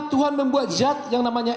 tuhan membuat zat yang namanya